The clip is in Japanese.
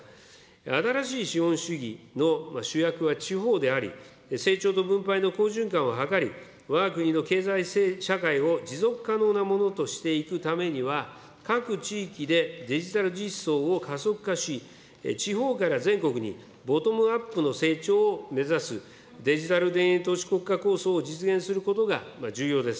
新しい資本主義の主役は地方であり、成長と分配の好循環を図り、わが国の経済社会を持続可能なものとしていくためには、各地域でデジタル実装を加速化し、地方から全国にボトムアップの成長を目指すデジタル田園都市国家構想を実現することが重要です。